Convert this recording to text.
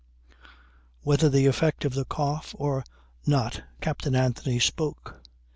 Whether the effect of the cough or not Captain Anthony spoke.